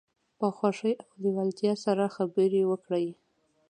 په خوښۍ او لیوالتیا سره خبرې وکړئ.